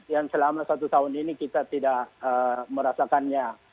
yang selama satu tahun ini kita tidak merasakannya